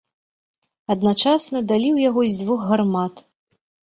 Адначасна далі ў яго з дзвюх гармат.